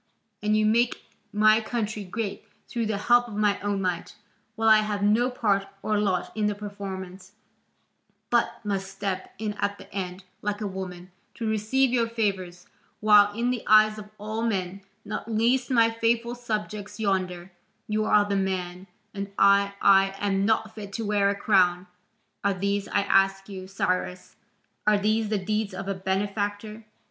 And you make my country great through the help of my own might, while I have no part or lot in the performance, but must step in at the end, like a woman, to receive your favours, while in the eyes of all men, not least my faithful subjects yonder, you are the man, and I I am not fit to wear a crown. Are these, I ask you, Cyrus, are these the deeds of a benefactor?